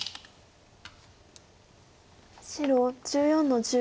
白１４の十。